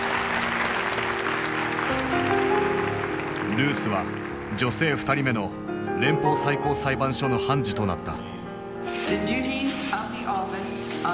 ルースは女性２人目の連邦最高裁判所の判事となった。